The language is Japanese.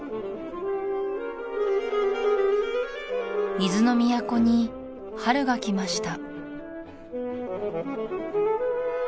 水の都に春が来ました